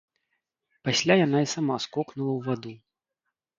Пасля яна і сама скокнула ў ваду.